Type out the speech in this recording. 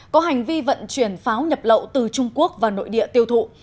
có hành vi vận chuyển pháo nhập lậu từ trung quốc vào nội địa tiêu thụ